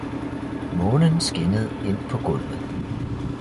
Månen skinnede ind på gulvet.